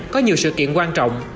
có nhiều sự kiện quan trọng